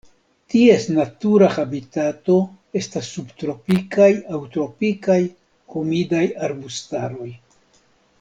Ties natura habitato estas subtropikaj aŭ tropikaj humidaj arbustaroj.